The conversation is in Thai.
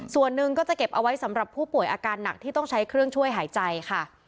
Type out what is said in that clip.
ส่วนหนึ่งก็จะเก็บเอาไว้สำหรับผู้ป่วยอาการหนักที่ต้องใช้เครื่องช่วยหายใจค่ะ